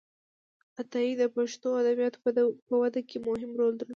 عطایي د پښتو ادبياتو په وده کې مهم رول درلود.